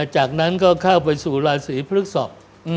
จากนั้นก็เข้าไปสู่ราศีพฤกษก